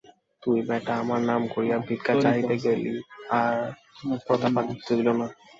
তুই বেটা আমার নাম করিয়া ভিক্ষা চাহিতে গেলি, আর প্রতাপাদিত্য দিল না।